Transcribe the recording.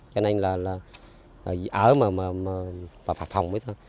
cho nên là ở mà phạt hồng với thôi